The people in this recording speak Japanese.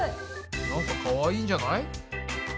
なんかかわいいんじゃない？